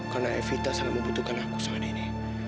karena efi tak selalu membutuhkan aku seorang ini